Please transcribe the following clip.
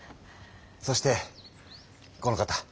そしてこの方。